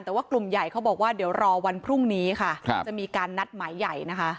แต่ว่ากลุ่มใหญ่เขาบอกว่าเดี๋ยวรอวันพรุ่งนี้ค่ะจะมีการนัดหมายใหญ่นะคะ